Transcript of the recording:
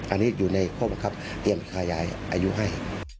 อันนี้อยู่ในข้อบังคับเรียนขยายอายุให้